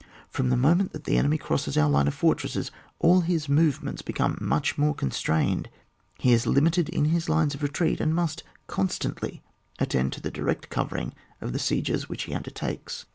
From the moment that the enemy crosses our line of fortresses, all his movements become much more con strained; he is limited in his lines of retreat, and must constantly attend to the direct covering of the sieges which he undertakes.